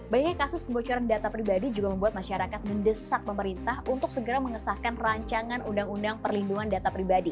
banyaknya kasus kebocoran data pribadi juga mendesak pemerintah untuk segera mengesahkan rancangan uu pdp